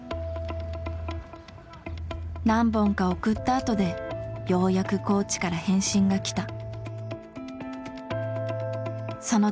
何本か送ったあとでようやくコーチから返信が来た。